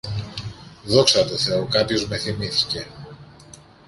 Δόξα τω θεώ, κάποιος με θυμήθηκε